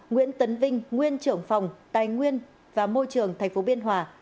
nguyễn tấn vinh nguyên trưởng phòng tài nguyên và môi trường tp biên hòa